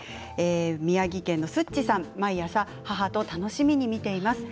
宮城県の方毎朝母と楽しみに見ています。